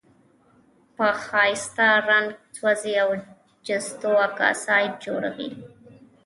په ښایسته رنګ سوزي او د جستو اکسایډ جوړوي.